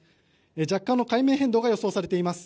若干の海面変動が予想されています。